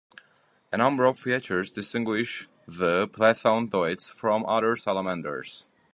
A number of features distinguish the plethodontids from other salamanders.